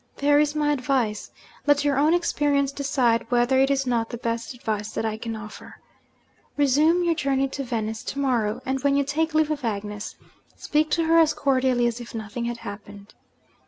There is my advice; let your own experience decide whether it is not the best advice that I can offer. Resume your journey to Venice to morrow; and when you take leave of Agnes, speak to her as cordially as if nothing had happened.'